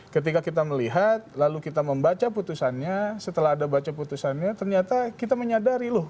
ketika kita melihat lalu kita membaca putusannya setelah ada baca putusannya ternyata kita menyadari loh